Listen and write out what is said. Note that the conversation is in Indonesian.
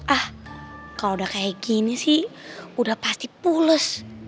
ah kalau udah kayak gini sih udah pasti pulus